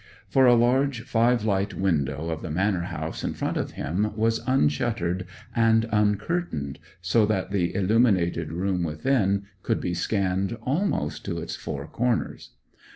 For a large five light window of the manor house in front of him was unshuttered and uncurtained, so that the illuminated room within could be scanned almost to its four corners.